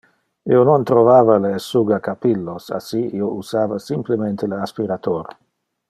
Io non trovava le essugacapillos, assi io usava simplemente le aspirator.